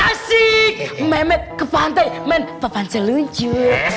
asik memet ke pantai men papan seluncur